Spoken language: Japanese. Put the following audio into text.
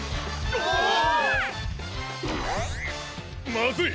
まずい！